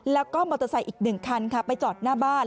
แล้วก็มอเตอร์ไซค์อีก๑คันค่ะไปจอดหน้าบ้าน